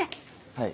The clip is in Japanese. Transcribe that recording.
はい。